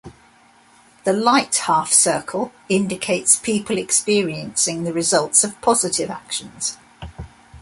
The light half-circle indicates people experiencing the results of positive actions.